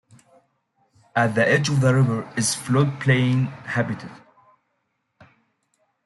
At the edge of the river is floodplain habitat.